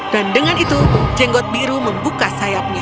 dan dengan itu jenggot biru membuka sayapnya